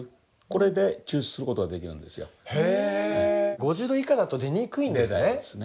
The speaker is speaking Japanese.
５０℃以下だと出にくいんですね。